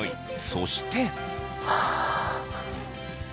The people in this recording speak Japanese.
そして。